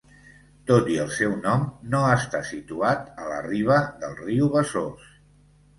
Tot i el seu nom, no està situat a la riba del riu Besòs.